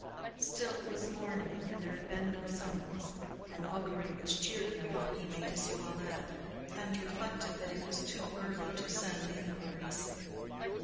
Still, it was morning, and there had been no summons—an augury which cheered him while he made his toilet, and reflected that it was too early to send inquiries.